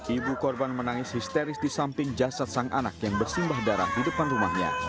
ibu korban menangis histeris di samping jasad sang anak yang bersimbah darah di depan rumahnya